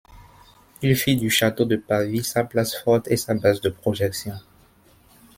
Il fit du château de Pavie sa place forte et sa base de projection.